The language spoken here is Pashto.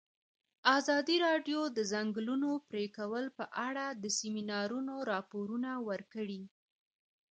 ازادي راډیو د د ځنګلونو پرېکول په اړه د سیمینارونو راپورونه ورکړي.